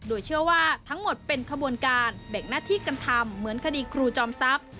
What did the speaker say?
โดยเชื่อว่าทั้งหมดเป็นขบวนการแบ่งหน้าที่กันทำเหมือนคดีครูจอมทรัพย์